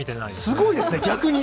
すごいですね、逆に。